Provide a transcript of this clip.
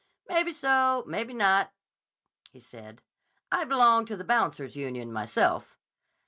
'Maybe so; maybe not,' he said. 'I belong to the Bouncers' Union, myself.